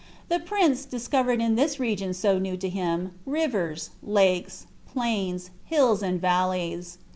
The prince discovered in this region so new to him rivers, lakes, plains, hills, and valleys.